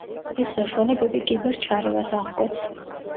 ეს საშუალებები კიბერ-ჩარევას აღკვეთს.